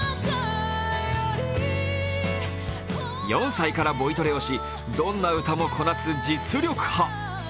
４歳からボイトレをし、どんな歌もこなす実力派。